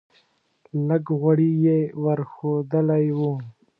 لږ غوړي یې ور ښودلی و.